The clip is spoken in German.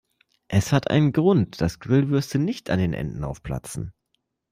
Es hat einen Grund, dass Grillwürste nicht an den Enden aufplatzen.